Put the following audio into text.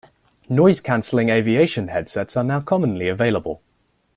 Noise-cancelling aviation headsets are now commonly available.